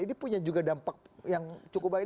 ini punya juga dampak yang cukup baik